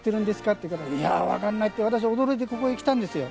って言うから、いや、分からないって、私、驚いてここへ来たんですよ。